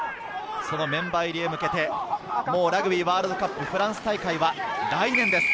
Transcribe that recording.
そのメンバー入りへ向けてラグビーワールドカップフランス大会は来年です。